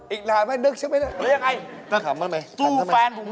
อีกนานไม่นึกใช่ไหม